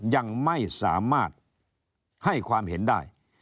ยังไม่สามารถให้ความเห็นได้